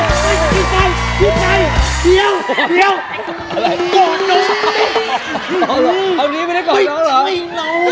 เดี๋ยวนี้ไม่ได้ก่อนน้องเหรอเดี๋ยวนี้ไอ้น้องหล่ะ